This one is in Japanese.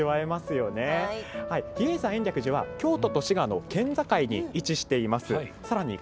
比叡山延暦寺は京都と滋賀の県境に位置しています。